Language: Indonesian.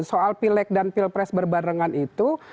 soal pilek dan pilpres berbarengan itu